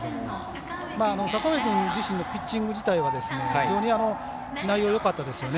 阪上君自身のピッチング自体は非常に内容がよかったですよね。